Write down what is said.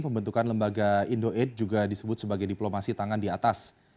pembentukan lembaga indo aid juga disebut sebagai diplomasi tangan di atas